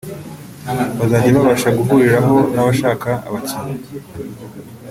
bazajya babasha guhuriraho n’abashaka abakinnyi